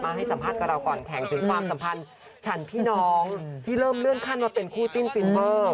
ให้สัมภาษณ์กับเราก่อนแข่งถึงความสัมพันธ์ฉันพี่น้องที่เริ่มเลื่อนขั้นว่าเป็นคู่จิ้นฟินเวอร์